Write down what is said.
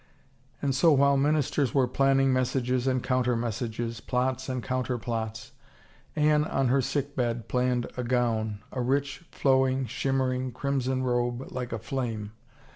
And so while ministers were planning messages and counter messages, plots and counterplots, Anne on her sick bed, planned a gown, a rich, flowing, shimmering, crimson robe like a flame.